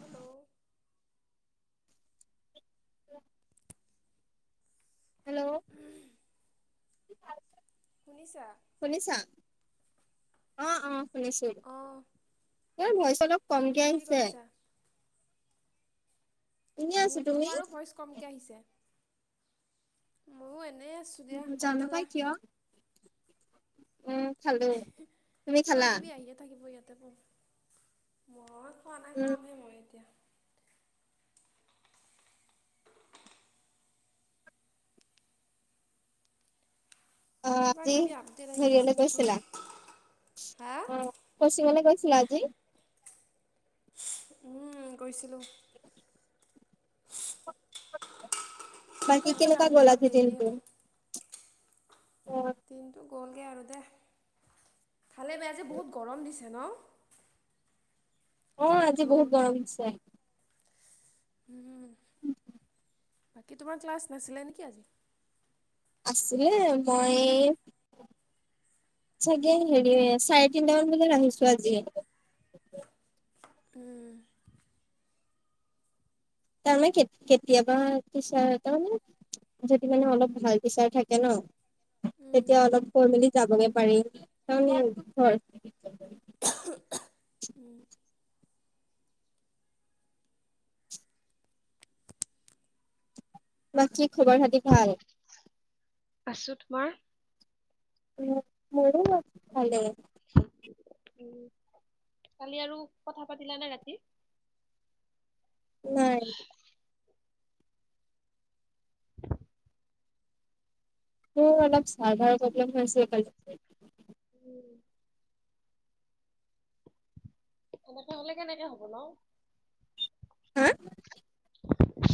Hello? [unintelligible] Hello? শুনিছা? শুনিছা, অ, অ', শুনিছোঁ অঁ [unintelligible] ভইচ অলপ কমকে কি আহিছে। কৰিছা? এনেই আছো মোৰতো তুমি? বাৰু ভইচ কমকে আহিছে। ময়ো এনেই আছোঁ দিয়া। ভাত জানো খালা? পাই কিয়? উম, খালোঁ, তুমি কিবা খালা? কিবি আহিয়ে থাকিব ইয়াতে ব, মই খোৱা নাই, উম, খামহে মই এতিয়া। অ', আজি কিবা-কিবি আপডেট আহি হেৰিয়লে আছে নেকি? গৈছিলা? হা। ক'ৰ্চিনলে গৈছিলা আজি? উম, গৈছিলোঁ। বাকী আজি কেনেকুৱা আহোঁতে গ'ল অলপ আজি দেৰিয়ে দিনটো? হ'ল। অ'। দিনটো গ'লগে আৰু দে। ভালে বেয়া আজি বহুত গৰম দিছে ন। অ', আজি বহুত গৰম দিছে। উম। বাকী তোমাৰ ক্লাছ নাছিলে নেকি আজি? আছিলে মই চাগে হেৰি, চাৰে তিনটামান বজাত আহিছোঁ আজি। উম। তাৰমানে কেত- কেতিয়াবা [inaudible] যদি মানে অলপ ভালকে চাই থাকে ন উম। তেতিয়া অলপ কৈ মেলি যাবগে পাৰি, কাৰণ [inaudible] [unintelligible] উম। বাকী খবৰ-খাতি ভাল? আছোঁ তোমাৰ? মো- মোৰো ভালেই। [unintelligible] কালি আৰু কথা পাতিলা নে ৰাতি? নাই। [unintelligible] মোৰ অলপ চাৰ্ভাৰ প্ৰলেম হৈছে কালি [inaudible] উম। এনেকে হ'লে কেনেকে হ'ব ন? হা?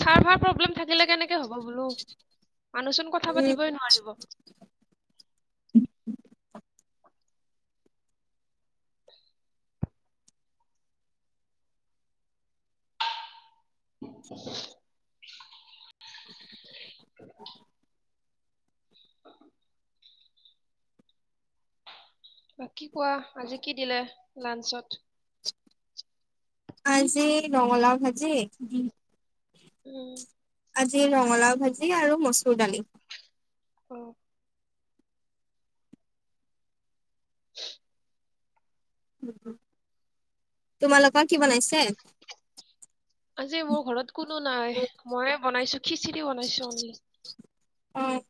চাৰ্ভাৰ প্ৰব্লেম থাকিলে কেনেকে হ'ব বোলোঁ, মানুহচোন কথা উম পাতিবই নোৱাৰিব। [unintelligible] [unintelligible] বাকী কোৱা, আজি কি দিলে লাঞ্চত? আজি ৰঙালাও ভাজি [unintelligible] উম। আজি ৰঙালাও ভাজি আৰু মচুৰ ডালি। অ'। [unintelligible] উম, উম, তোমালোকৰ কি বনাইছে? আজি মোৰ ঘৰত কোনো নাই, ময়ে বনাইছোঁ, খিচিৰি বনাইছোঁ আজি। অ'।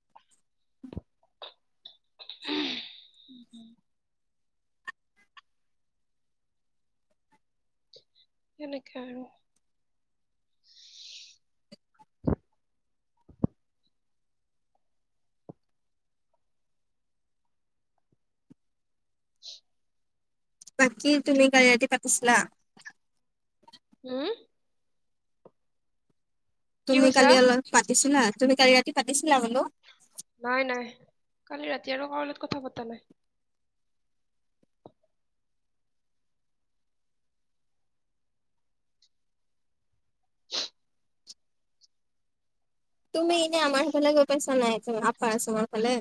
উম এনেকে আৰু। বাকি তুমি কালি ৰাতি পাতিছিলা হুম কি তুমি কৈছা? কালি অলপ পাতিছিলা তুমি কালি ৰাতি পাতিছিলা বোলো নাই নাই কালি ৰাতি আৰু কাৰোলগত কথা পতা নাই কি [unintelligible] তুম এনে আমাৰ সিফালে গৈ পাইছা নে নাই আপাৰ আছামৰ ফালে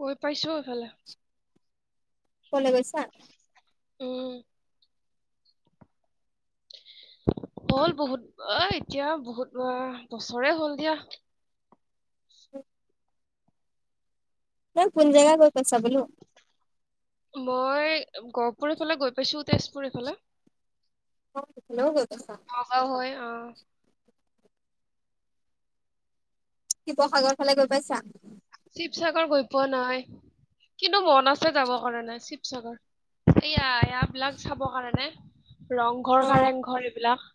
গৈ পাইছো এইফালে কলে গৈছা উম হ'ল বহুত আহ এতিয়া বহুত বাৰ বছৰে হ'ল দিয়া এই কোন জেগা গৈ পাইছা বোলো মই গহপুৰৰ ফালে গৈ পাইছো তেচপুৰ ইফালে অ সেইফালেও গৈ পাইছা নগাও হৈ অহ শিৱসাগৰ ফালে গৈ পাইছা চিৱচাগৰ গৈ পোৱা নাই কিন্তু মন আছে যাব কাৰণে চিৱচাগৰ এইয়া এয়া বিলাক চাবৰ কাৰণে ৰংঘৰ অ কাৰেংঘৰ এইবিলাক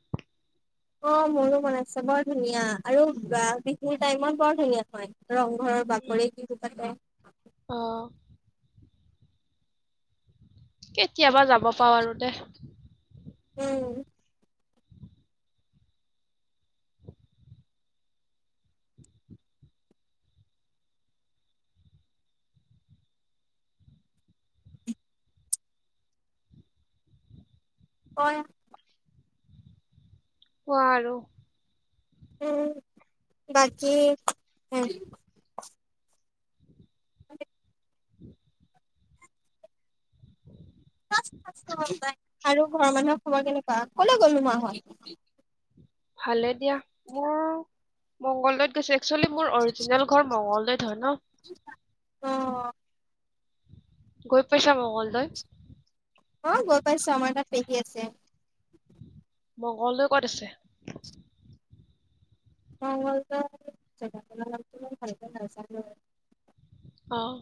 অহ মোৰো মন আছে বৰ ধুনীয়া আৰু বা বিহুৰ টাইমত বৰ ধুনীয়া হয় ৰংঘৰৰ বাকৰিত বিহু পাতে অ কেতিয়াবা যাব পাওঁ আৰু দেহ উম হয় কোৱা আৰু উম বাকী এহ হয় [unintelligible] [unintelligible] আৰু ঘৰৰ মানুহৰ খবৰ কেনেকুৱা কলৈ গ'ল নো মাহত ভালে দিয়া মোৰ মংগলদৈত গৈছে এক্সুৱেলী মোৰ অৰিজিনেল ঘৰ মংগলদৈত হয় ন অ গৈ পাইচা মংগলদৈ অহ গৈ পাইছো আমাৰ তাত পেহী আছে মংগলদৈ ক'ত আছে মংগলদৈ জাগাটোৰ নামটো মই ভালকে নাজানো অহ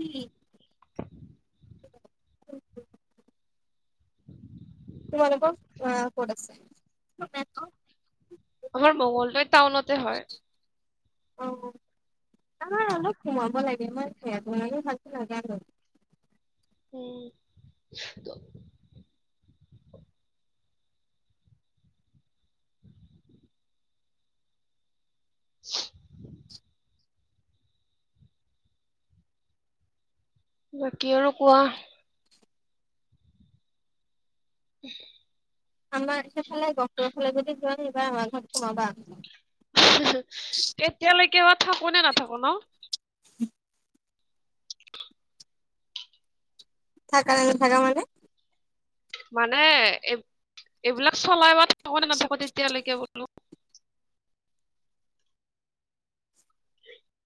কি তোমালোকৰ অহ ক'ত আছে আমাৰ মংগলদৈ টাউনতে হয় অ আমাৰ অলপ সোমাব লাগে মই সেকাৰনে ভালকে নাজানো উম [inaudible] [unintelligible] বাকী আৰু কোৱাহ [unintelligible] আমাৰ সিফালে গহপুৰৰ ফালে যদি যোৱা এইবাৰ আমাৰ ঘৰত সোমাবা। তেতিয়ালৈকে বা থাকো নে নাথাকো ন। [unintelligible] থাকা নে নাথাকা মানে? মানে এই এইবিলাক চলাই বা থাকো নে নাথাকো তেতিয়ালৈকে বোলো। [inaudible]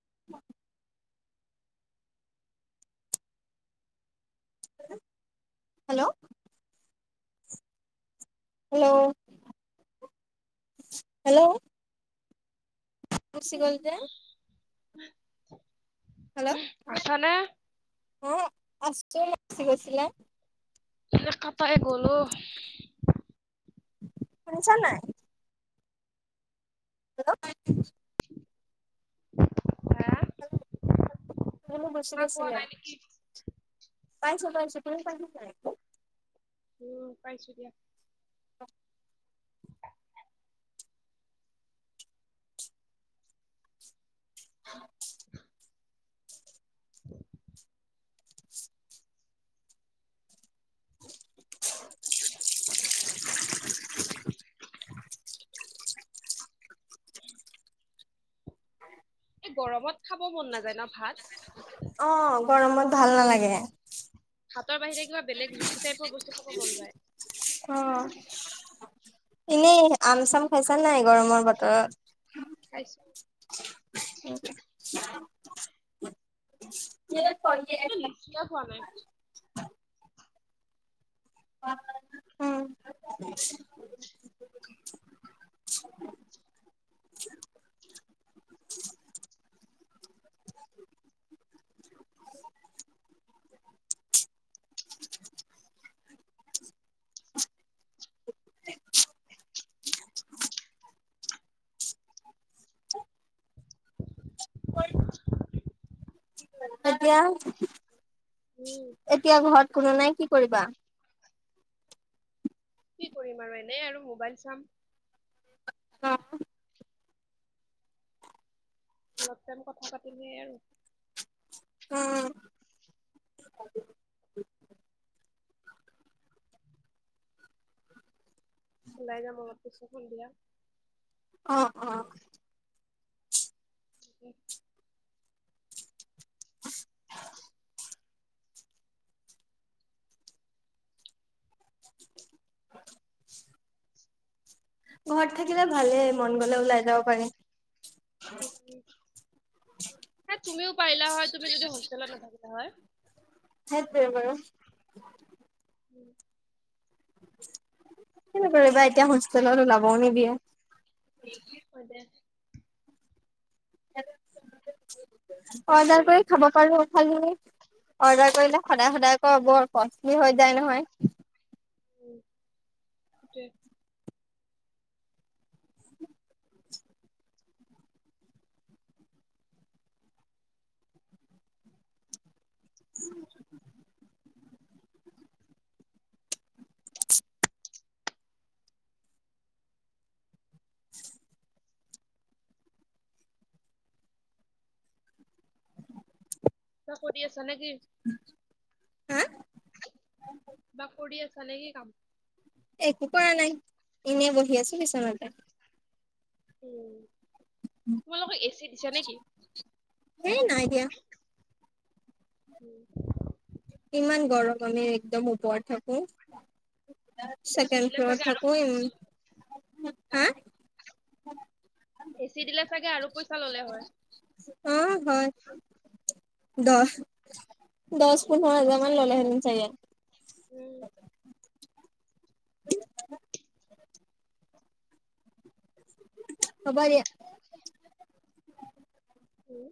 [inaudible] হেল্ল'। Hello hello. গুচি গ'ল যে হেল্ল' আছা নে? অ' আছো [unintelligible] গৈছিলে। এনে কাটাই গ'ল অ'। শুনিছা নে নাই? হেল্ল' হা [unintelligible] গুছি শুনা পোৱা গৈছিলে। নাই নেকি পাইছোঁ পাইছোঁ। তুমি পাইছা নে নাই? উম পাইছোঁ দিয়া। [inaudible] [inaudible] [inaudible] [inaudible] [inaudible] এই গৰমত খাব মন নাযায় ন ভাত? অ' গৰমত ভাল নালাগে। ভাতৰ বাহিৰে কিবা বেলেগ যুচি টাইপৰ বস্তু খাব মন যায়। অ', এনেই আম চাম খাইছা নাই গৰমৰ বতৰত? খাইছো। [inaudible] [unintelligible] কিয় খোৱা নাই? [unintelligible] উম। [inaudible] [inaudible] [inaudible] [inaudible] [inaudible] [inaudible] এতিয়া, উম এতিয়া ঘৰত কোনো নাই কি কৰিবা? কি কৰিম আৰু এনেই আৰু ম'বাইল চাম। [unintelligible] অলপ টাইম কথা পাতিমেই আৰু। উম। ওলাই যাম অলপ পিছত সন্ধিয়া। অ', অ'। [inaudible] [inaudible] ঘৰত থাকিলে ভালেই মন গ'লে ওলাই যাব পাৰি। এ তুমিও পাৰিলা হয়, তুমি যদি হোষ্টেলত নাথাকিলা হয়। সেইটোৱে বাৰু। উম, কিনো কৰিবা এতিয়া হোষ্টেলত উলাবও নিদিয়ে। হয় দে। [inaudible] অৰ্ডাৰ কৰি খাব পাৰো, খালী অৰ্ডাৰ কৰিলে সদায় সদায় আকৌ বৰ কষ্টলি হৈ যায় নহয়। উম, সেইটোৱে। [inaudible] কিবা কৰি আছা নে কি? হা কিবা কৰি আছা নে কি কাম? একো কৰা নাই, এনেই বহি আছো বিচনাতে। উম, তোমালোকৰ এ চি দিছে নে কি? হেই নাই দিয়া। উম। ইমান গৰম, আমি একদম ওপৰত থাকো। এ চি দিলে চেকেণ্ড চাগে ফ্লৰত আৰু পইচা থাকো, হা? এ চি দিলে চাগে আৰু পইচা ল'লে হয়? অ', হয় দহ দহ পোন্ধৰ হাজাৰ মান ল'লে হেঁতেন চাগে। উম। হ'ব দিয়া। উম।